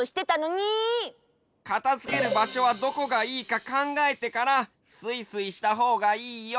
かたづけるばしょはどこがいいかかんがえてからスイスイしたほうがいいよ！